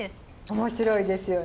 面白いですよね。